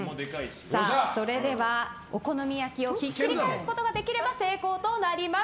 それではお好み焼きをひっくり返すことができれば成功となります。